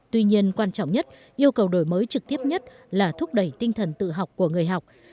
tuy nhiên quan trọng nhất yêu cầu đổi mới trực tiếp nhất là thúc đẩy tinh thần tự học của người học